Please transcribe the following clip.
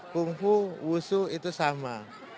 kungfu wusu itu sama